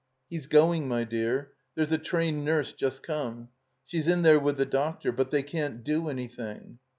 "He's going, my dear. There's a trained nurse just come. She's in there with the doctor. But they caa't do anjrthing."